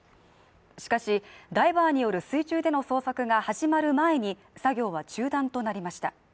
しかし、ダイバーによる水中での捜索が始まる前に、作業は中断となりました。